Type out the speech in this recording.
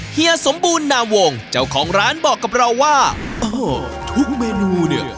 เฮียสมบูรณาวงเจ้าของร้านบอกกับเราว่าโอ้โหทุกเมนูเนี่ย